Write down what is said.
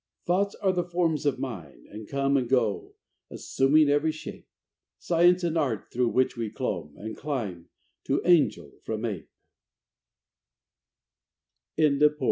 Thoughts are the forms of mind; and come And go, assuming every shape: Science and art: through which we clomb, And climb, to angel from the ape.